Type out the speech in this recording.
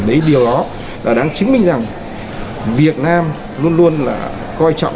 đấy điều đó là đang chứng minh rằng việt nam luôn luôn là coi trọng